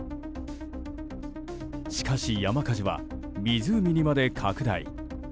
しかし、山火事は湖にまで拡大。